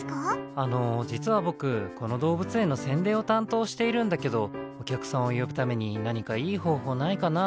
あの、実は僕、この動物園の宣伝を担当しているんだけどお客さんを呼ぶために何かいい方法ないかな？